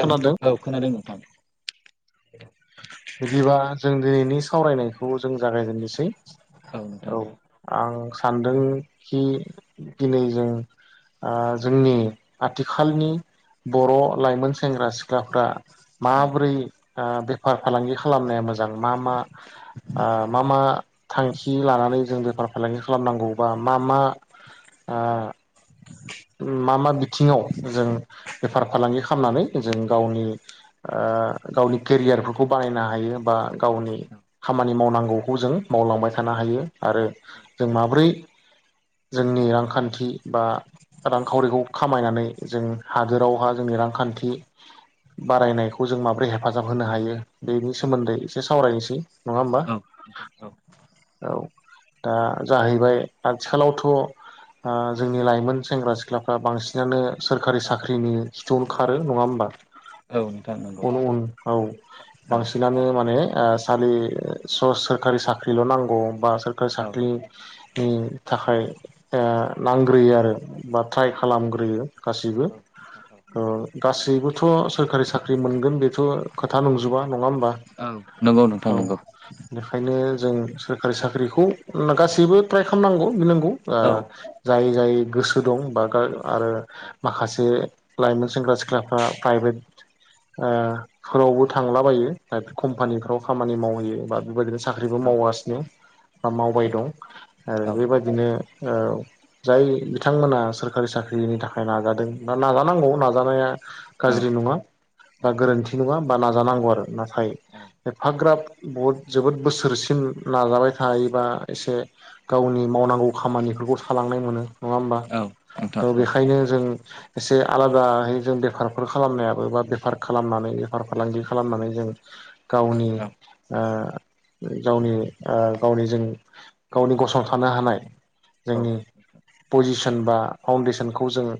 औ औ खोनादों नोंथां बिदिबा जों दिनैनि सावरायनायखौ जों जागायजेननोसै नोंथां औ दे आं सानदों खि दिनै जों आ औ जोंनि आथिखालनि बर' औ लाइमोन सेंग्रा सिख्लाफ्रा औ माबोरै ओ बेफार फालांगि खालामनाया मोजां मा मा ओ मा मा थांखि लानानै जों बेफार फालांगि खालामनांगौ बा मा मा ओ मा मा बिथिङाव जों बेफार फालांगि खालामनानै जों गावनि गावनि केरियारफोरखौ बानायनो हायो बा गावनि खामानि मावनांगौखौ जों मावलांबाय थानो हायो आरो जों माब्रै जोंनि रांखान्थि बा रांखावरिखौ खामायनानै जों हादोरावहा जोंनि रांखान्थि बारायनायखौ जों माबोरै हेफाजाब होनो हायो बेनि सोमोन्दै एसे सावरायनोसै नङा होमबा। औ नोंथां औ औ दा जाहैबाय आथिखालावथ' जोंनि लाइमोन सेंग्रा सिख्लाफ्रा बांसिनानो सोरखारि औ साख्रिनि स [unintelligible] थुआवनो खारो नङा होमबा। औ नोंथां नंगौ उन उन औ औ बांसिनानो माने स [unintelligible] लि सोरखारि साख्रिल' नांगौ बा सोरखारि औ साख्रिनि थाखाय नांग्रोयो आरो बा ट्राइ खालामग्रोयो गासिबो गासैबोथ' सोरखारि साख्रि मोनगोन बेथ' खोथा नंजोबा नङा होमबा औ नंगौ नोंथां नंगौ। ओंखायनो जों सोरखारि साख्रिखौ गासैबो ट्राइ खालामनांगौ बि [unintelligible] नांगौ जाय जाय गोसो दं बा आरो माखासे लाइमोन सेंग्रा सिख्लाफ्रा फाइ [unintelligible] भद [unintelligible] फोरावबो थांलाबायो प्राइभेट कम्पानिफ्राव खामानि मावहैयो बा बेबायदिनो साख्रिबो माव माव [unintelligible] गासिनो बा मावबाय दं आरो बेबादिनो जाय बिथांमोना सोरखारि साख्रिनि थाखाय नाजादों दा नाजानांगौ नाजानाया गाज्रि नङा बा गोरोन्थि नङा बा नाजानांगौ आरो नाथाय एफाग्राब बहुद जोबोद बोसोरसिम नाजाबाय थायोबा एसे गावनि मावनांगौ खामानिफोरखौ सालांनाय मोनो नङा होमबा। बेखायनो जों एसे आलादाहै जों बेफार न [unintelligible] फोर खालामनायाबो बा बेफार खालामनानै बेफार फालांगि खालामनानै जों गावनि गावनि गावनि जों गावनि गसंथानो हानाय जोंनि पजिसन बा फाउन्डेसनखौ जोङो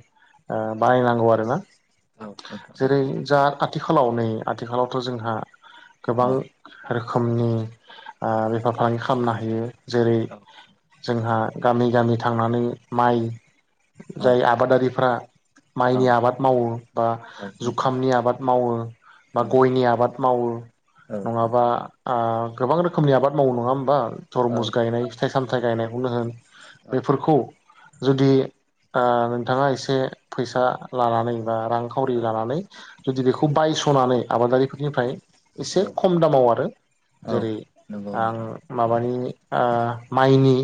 बानायनांगौ आरोना। जेरै जा आथिखालाव नै आथिखालावथ' जोंहा गोबां रोखोमनि बेफार फालांगि खालामनो हायो जेरै जोंहा गामि गामि थांनानै माइ जाय आबादारिफ्रा माइनि आबाद मावो। बा जुखामनि आबाद मावो बा गयनि आबाद मावो। नङाबा गोबां रोखोमनि आबाद मावनाय नङा होमबा थरमुस गायनाय फिथाइ सामथायाइ गायनायखौ नो होन बेफोरखौ जुदि नोंथाङा एसे फैसा लानानै बा रां खावरि लानानै जुदि बेखौ बायस'नानै आबादारिफोरनिफ्राय एसे खम दामाव आरो औ जेरै नंगौ आं नोंथां माबानि माइनि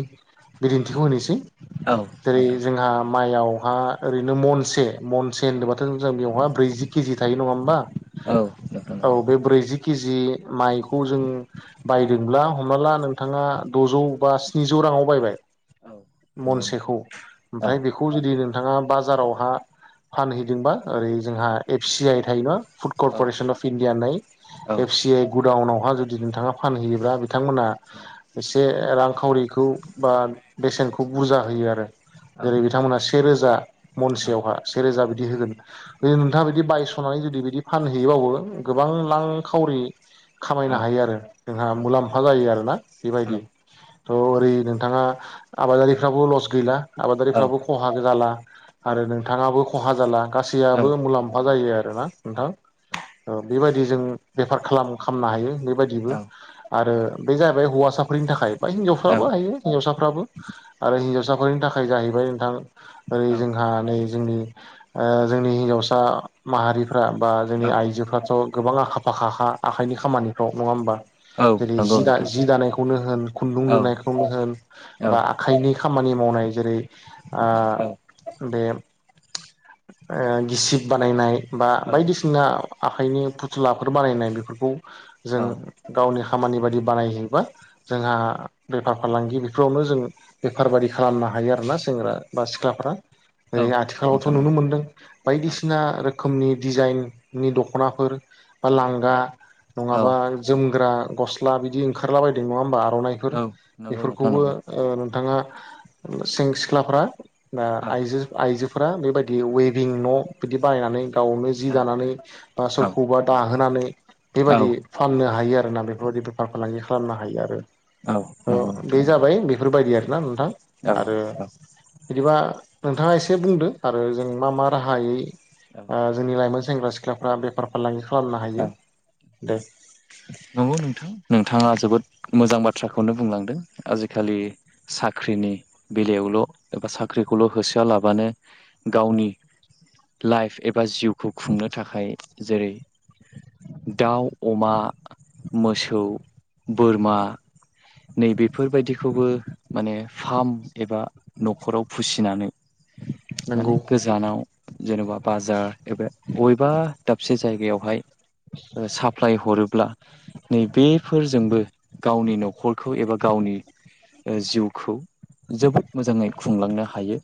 बिदिन्थिखौ होनोसै औ जेरै नोंथां जोंहा माइयावहा ओरैनो महनसे महनसे औ होनोबाथ' जों बेयावहाय ब्रैजि केजि थायो नङा होमबा। नोंथां नंगौ औ बे ब्रैजि केजि माइखौ जों बायदोंब्ला हमना ला नोंथाङा। द'जौ बा स्निजौ राङाव बायबाय नंगौ नोंथां मनसेखौ औ ओमफ्राय बेखौ जुदि नोंथाङा बाजारावहा फानहैदोंबा ओरै जोंहा एफ सि आइ थायो ना फुड औ करर्प'रेसन अफ इण्डिया होननाय औ एफ सि आइ गुडाउनावहा जुदि नोंथाङा फानहैयोब्ला बिथांमोना एसे रांखावरिखौ बे [unintelligible] बा बेसेनखौ बुरजा होयो आरो औ जेरै बिथांमोनहा सेेरोजा मनसेयावहा सेेरोजा बिदि होगोन। ज [unintelligible] नोंथाङा बिदि बायस'नानै जुदि बिदि फानहैयोबो गोबां [unintelligible] लांखावरि खामायनो हायो आरो जोंहा मुलाम्फा जायो आरोना बेबायदि थ' ओरै नोंथाङा आबादारिफ्राबो लस गैला आबादारिफ्राबो खहा जाला आरो नोंथाङाबो खहा जाला गासैयाबो मुलाम्फा जायो आरोना नोंथां । बेबायदि जों बेफार खालाम खालामनो हायो बेबायदिबो आरो बे जाहैबाय हौवासा फोरनि थाखाय बा हिनजावफ्राबो हायो हिन्जावसाफ्राबो आरो हिनजावसाफोरनि थाखाय जाहैबाय नोंथां ओरै औ जोंहा नै जोंनि ओ जोंनि हिनजावसा माहारिफ्रा बा जोंनि औ आइजोफ्राथ' गोबां आखा फाखा खा आखायनि खामानिफ्राव नङा होमबा औ जेरै नंगौ जि दा नोंथां जि दानायखौ नो होन खुन्दुं औ लुनायखौनो होन औ बा आखाइनि खामानि मावनाय जेरै आ औ औ बे ओ गिसिब बानायनाय बा बायदिसिना आखाइनि फुथुलाफोर बानायनाय बेफोरखौ जों गावनि खामानि बादि बानायहैबा जोंहा औ बेफार फालांगि बेफोरावनो जों बेफारबादि खालामनो हायो आरोना सेंग्रा बा सिख्लाफ्रा ऐ औ औ आथिखालावथ' नुनो नंगौ मोनदों बायदिसिना रोखोमनि डिजाइननि दख'नाफोर बा लांगा नोंथां औ औ नङाबा जोमग्रा गस्ला बिदि ओंखारला बायदों नङा होमबा औ आर'नाइफोर औ नोंथां औ औ नंगौ नोंथां बेफोरखौबो नंगौ ओ नोंथाङा सें सिख्लाफोरा ओ औ आइजो आइजोफोरा बेबायदि वे बिं न' बिदि बायनानै गावनो जि औ दानानै बा सोरखौबा दाहोनानै औ बेबायदि फाननो हायो आरोना बेफोरबायदि बेफार फालांगि खालामनो हायो आरो। औ नंगौ थ नोंथां बे नंगौ औ जाबाय बेफोरबायदि आरोना नोंथां आरो औ बिदिबा नोंथाङा एसे बुंदो आरो जों मा मा राहायै औ ओ जोंनि लाइमोन सेंग्रा सिख्लाफ्रा बेफार फालांगि खालामनो औ हायो? दे नंगौ नोंथां। नोंथाङा जोबोद मोजां बाथ्राखौनो बुंलांदों आजिखालि साख्रिनि बेलायाव ल' एबा साख्रिखौल' होसोआ लाबानो गावनि लाइफ एबा जिउ खौ खुंनो थाखाय जेरै दाउ अमा मोसौ बोरमा नै बेफोरबायदिखौबो माने फार्म एबा न'खराव फिसिनानै माने नंगौ गोजानाव जेनेबा बाजार एबा बबेबा दाबसे जा जायगायावहाय साप्लााय हरोब्ला नै बे फोरजोंबो गावनि न'खरखौ एबा गावनि जिउखौ जोबोद मोजाङै खुंलांनो हायो।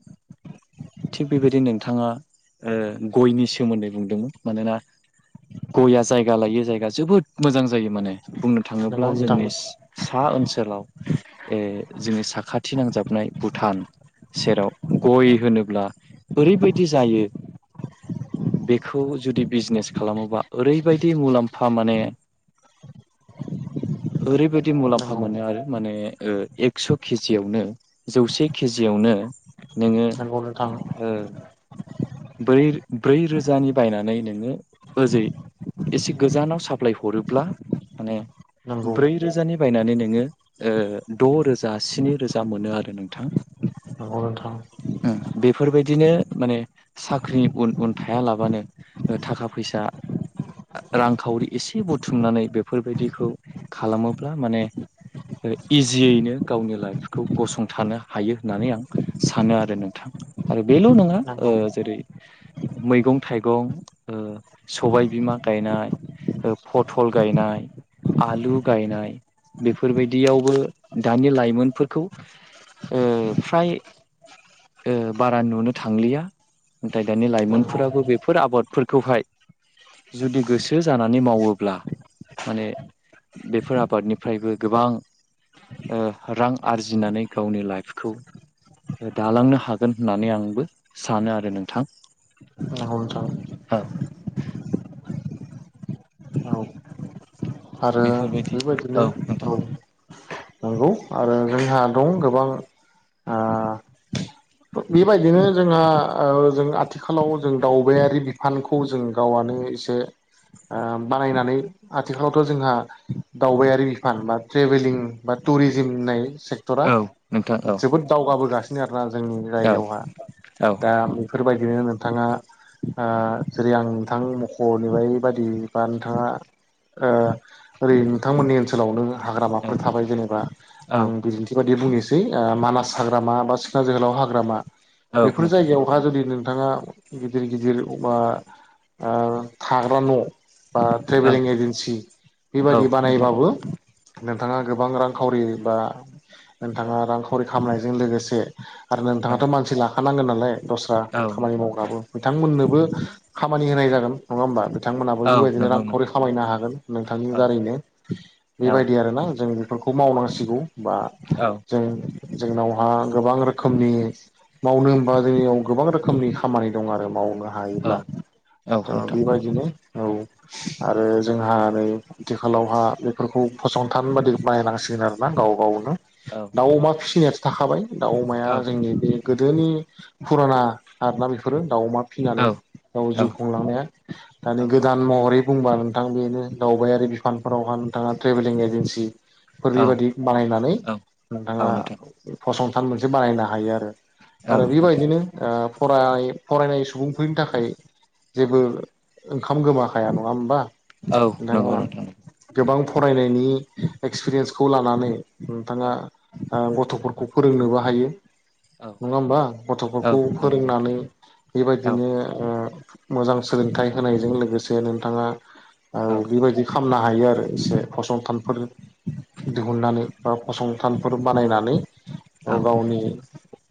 थिग बेबायदि नोंथाङा गयनि सोमोन्दै बुंदोंमोन मानोना गया जायगा लायो जायगा जोबोद मोजां जायो माने बुंनो थाङोब्ला नंगौ नोंथां जोंनि सा ओनसोलाव ओ जोंनि साखाथि नांजाबनाय भुटा न सेराव गय होनोब्ला ओरैबायदि जायो बेखौ जुदि बिजनेस खालामोबा ओरैबायदि मुलाम्फा माने ओरैबायदि मुलाम्फा नंगौ मोनो आरो माने एक्स' केजियावनो जौसे केजियावनो नोङो नंगौ नोंथां ओ ब्रै ब्रै रोजानि बायनानै नोङो ओजै एसे गोजानाव साप्लाय हरोब्ला माने नंगौ ब्रै रोजानि बायनानै नोङो ओ द' रोजा स्नि रोजा मोनो आरो नोंथां। नंगौ नोंथां बेफोरबायदिनो माने साख्रिनि उन उन थाया लाबानो थाखा फैसा रांखावरि एसे बुथुमनानै बे फोरबायदिखौ खालामोब्ला माने इजियैनो गावनि लाइफखौ गसंथानो हायो होननानै आं सानो आरो नोंथां। आरो बेल' नङा ओ नंगौ जेरै मैगं थाइगं ओ सबाय बिमा गायनाय ओ फथल गायनाय [inaudible] आलु गायनाय बेफोरबायदियावबो दानि लाइमोनफोरखौ उ फ्राय ओ बारा नुनो थांलिया नाथाय दानि नंगौ लाइमोनफोराबो बेफोर आबादफोरखौहाय जुदि गोसो जानानै मावोब्ला माने बेफोर आबादनिफ्रायबो गोबां ओ रां आरजिनानै गावनि लाइफखौ जालांनो हागोन होननानै आंबो सानो आरो नोंथां नंगौ नोंथां ओ नंगौ आरो बेफोरबायदि बेबायदिनो औ नोंथां नंगौ आरो जोंहा दं गोबां ओ बेबायदिनो जोंहा ओ जों आथिखालाव जों दावबायारि बिफानखौ जों गावानो इसे ओ औ बानायनानै आथिखालावथ' जोंहा दावबायारि बिफान बा ट्रेभेलिं बा टुरिजिम होननाय सेक्टरा औ नोंथां औ जोबोद दावगाबोगासिनो आरोना जोंनि जायगायावहा औ दा बेफोरबायदिनो नोंथाङा आ जेरै आं नोंथां मख'नो बादि बा नोंथाङा ओ ओरै नोंथांमोननि ओनसोलावनो औ हाग्रामाफोर थाबाय जेनेबा औ आं बिदिन्थि बायदि बुंनोसै मानास हाग्रामा बा सिखोना जोहोलाव हाग्रामा औ बेैफोर नोंथां जायगायावहा जुदि नों नोंथाङा गिदिर गिदिर वबा थाग्रा न' बा औ ट्रेभेलिं एजेन्सि औ बेबादि नोंथां बानायबाबो नोंथाङा गोबां रांखावरि बा औ नोंथाङा रांखावरि खामनायजों लोगोसे आरो औ नोंथाङाथ' मानसि लाखानांगोन नालाय दस्रा औ खामानि नोंथां मावग्राबो बिथांमोननोबो खामानि होनाय जागोन नङा होमबा बिथांमोनाबो औ बेबायदिनो नंगौ रांखावरि नोंथां खामायनो हागोन नोंथांनि औ दारैनो औ बेबायदि आरोना जों बेफोरखौ मावनांसिगौ बा औ जों जोंनावहा गोबां रोखोमनि मावनो होमबा जोंनियाव गोबां रोखोमनि खामानि दं आरो मावनोबा । औ हायोब्ला औ नोंथां बेबायदिनो औ आरो जोंहा नै आथिखालावहा बेफोरखौ फसंथान बादि बनायनांसिगोन आरोना गाव गावनो औ । दाउ अमा फिसिनायाथो थाखाबाय दाउ अमाया औ जोंनि बे गोदोनि फुराना आरोना बेफोरो दाउ अमा फिनानै औ नोंथां गाव जिउ खुंलांनाया दानि औ गोदान महरै बुंबा नों नोंथांआ बेनो दावबायारि बिफानफोरावहाय नोंथाङा ट्रेभेलिं एजेन्सि फोर बेबायदि बानायनानै नोंथाङा फसंथान मोनसे बानायनो हायो आरो आरो बेबायदिनो नोंथां ओ फराय फरायनाय सुबुंफोरनि थाखाय औ जेबो ओंखाम गोमाखाया नङा हबा औ नोंथाङा नंगौ नोंथां गोबां फरायनायनि एक्सपिरियेन्सखौ लानानै नोंथाङा गथ'फोरखौ फोरोंनोबो हायो औ नङा होमबा औ गथ'फोरखौ नंगौ नोंथां फोरोंनानै बेबायदिनो औ मोजां ओ सोलोंथाइ होनाय जों लोगोसे नोंथांआ ओ बेबायदि खालामनो हायो आरो एसे फसंथानफोर दिहुननानै औ बा फसं थालफोर बानायनानै औ गावनि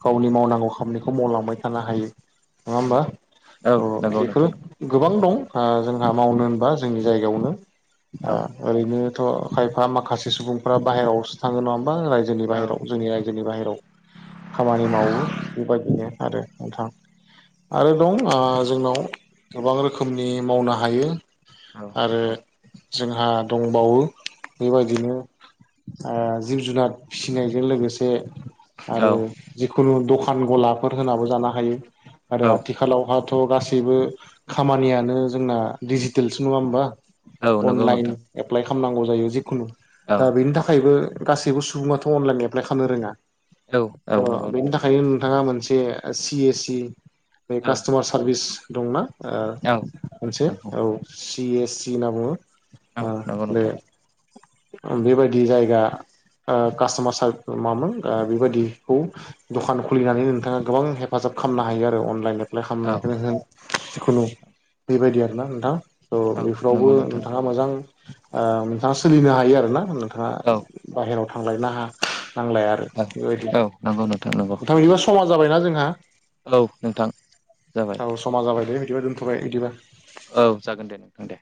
गावनि मावनांगौ खामानिखौ मावलांबाय थानो हायो नङा औ होनबा औ नंगौ बेफोर नोंथां नंगौ गोबां दं । ओ जोंहा मावनो होनबा जोंनि जायगायावनो औ ओरैनो थ' खायफा माखासे सुबुंफोरा्रा बाहेरावसो थाङो नङा हो गोबां रायजोनि औ बाहेराव जोंनि औ रायजोनि बाहेरायाव खामानि मावो बेबायदिनो आरो नोंथां आरो दं जोंनाव गोबां रोखोमनि मावनो हायो आरो जोंहा दंबावो बेबायदिनो ओ जिब जुनार फिसिनायजों लोगोसे आरो जिखुनु दखान गलाफोर होनाबो जानो हायो आरो औ आथिखालावहा थ' गासैबो खामानियानो जोंना दिडिजिटेलसो नङा होमबा औ नंगौ अनलाइन नोंथां एप्लाइ खालामनांगौ जायो जिखुनु दा औ बेनि थाखायबो गासैबो सुबुङाथ' अनलाइन एप्लाइ खालामनो रोङा औ औ थ' नंगौ बेनि नोंथां थाखायनो नोंथाङा मोन मोनसे सि एस सि औ कास्ट'मार सारभिस दंना ओ औ मोनसे नंगौ औ सि एस सि होनना बुङो औ ओ नंगौ बे नोंथां बेबायदि जायगा ओ कास्ट'मार सार मामोन बेबायदिखौ दखान खुलिनानै नोंथाङा गोबां हेफाजाब खालामनो हायो आरो अनलाइन एप्लाइ औ खालामनायखौनो होन जिखुनु बेबायदि आरोना नोंथां। थ' औ बेफोरावबो नंगौ नोंथां नोंथाङा मोजां ओ नोंथाङा सोलिनो हायो आरो ना। ङा औ बाहेरायाव थांलायना हा नांलाया आरो औ बेबायदि औ नंगौ नंगौ नोंथां बिदिबा समा जाबायना जोंहा? औ नोंथां जाबाय। औ समा जाबाय दे बिदिबा दोनथ'बाय बिदिबा। औ जागोन दे नोंथां दे।